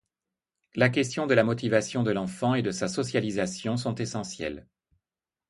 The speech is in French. La question de la motivation de l'enfant et de sa socialisation sont essentielles.